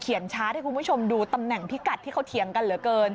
ชาร์จให้คุณผู้ชมดูตำแหน่งพิกัดที่เขาเถียงกันเหลือเกิน